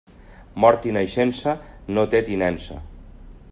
Mort i naixença, no té tinença.